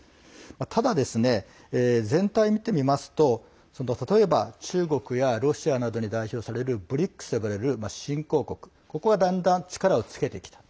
ただ、全体を見てみますと例えば、中国やロシアなどに代表されるＢＲＩＣＳと呼ばれる新興国、ここがだんだん力をつけてきている。